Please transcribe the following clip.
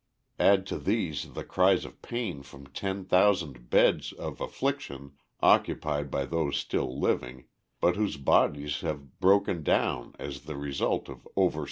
Add to these the cries of pain from ten thousand beds of affliction occupied by those still living, but whose bodies have "broken down" as the result of "over study."